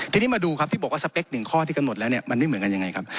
ทีนี้มาดูครับที่บอกว่าสเปคหนึ่งข้อที่กำหนดแล้วเนี่ยมันไม่เหมือนกันยังไงครับ